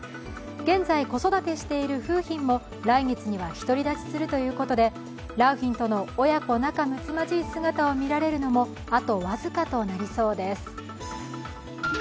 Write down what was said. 現在、子育てしている楓浜も来月には独り立ちするということで良浜との親子仲むつまじい姿を見られるのもあと僅かとなりそうです。